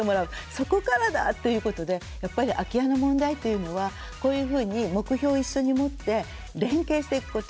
そこからだということでやっぱり、空き家の問題はこういうふうに目標を一緒に持って連携していくこと。